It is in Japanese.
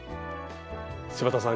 柴田さん